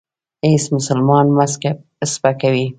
هیڅ مسلمان مه سپکوئ.